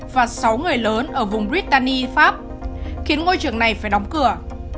và sáu người lớn ở vùng rittani pháp khiến ngôi trường này phải đóng cửa